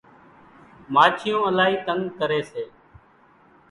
ماڇِيوُن الائِي تنڳ ڪريَ سي۔